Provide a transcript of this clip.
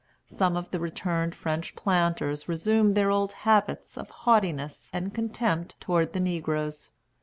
Some of the returned French planters resumed their old habits of haughtiness and contempt toward the negroes.